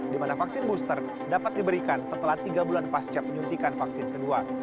dimana vaksin booster dapat diberikan setelah tiga bulan pas cepat menyuntikkan vaksin kedua